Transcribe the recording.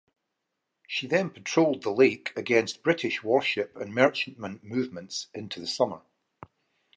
She then patrolled the Lake against British warship and merchantmen movements into the summer.